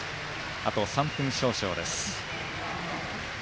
あと３分少々です。